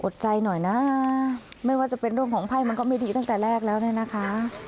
ใจหน่อยนะไม่ว่าจะเป็นเรื่องของไพ่มันก็ไม่ดีตั้งแต่แรกแล้วเนี่ยนะคะ